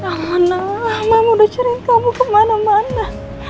ya allah mama udah cari kamu kemana mana